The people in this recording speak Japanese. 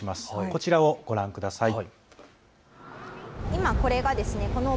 こちらをご覧ください。